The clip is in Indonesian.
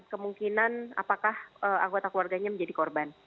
kemungkinan apakah anggota keluarganya menjadi korban